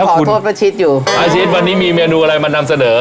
ขอโทษป้าชิดอยู่ป้าชิดวันนี้มีเมนูอะไรมานำเสนอ